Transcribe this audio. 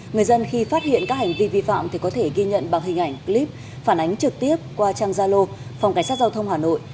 người dân khi phát hiện các hành vi vi phạm thì có thể ghi nhận bằng hình ảnh clip phản ánh trực tiếp qua trang gia lô phòng cảnh sát giao thông hà nội